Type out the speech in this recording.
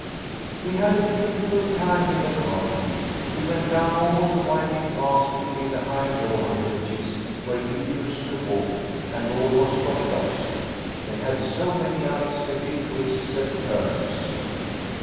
"We had a beautiful time in the garden. We went down all the winding paths between the high laurel hedges where you used to walk, and almost got lost, they had so many unexpected twists and turns.